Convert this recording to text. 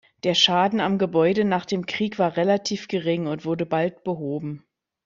Der Schaden am Gebäude nach dem Krieg war relativ gering und wurde bald behoben.